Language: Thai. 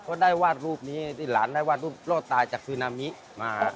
เพราะได้วาดรูปนี้ที่หลานได้วาดรูปรอดตายจากสุนามิมา